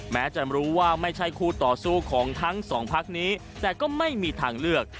แม้จะรู้ว่าไม่ใช่คู่ต่อสู้ของทั้งสองพักนี้แต่ก็ไม่มีทางเลือก